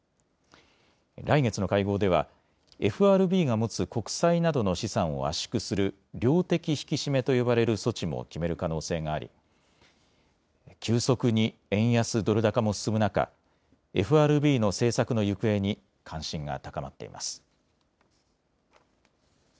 来月の会合ではＦＲＢが持つ国債などの資産を圧縮する量的引き締めと呼ばれる措置も決める可能性があり急速に円安ドル高も進む中、ＦＲＢの政策の行方に関心が高まっています。